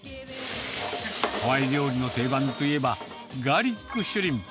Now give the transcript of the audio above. ハワイ料理の定番といえば、ガーリックシュリンプ。